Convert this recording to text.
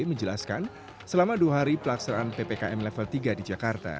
menjelaskan selama dua hari pelaksanaan ppkm level tiga di jakarta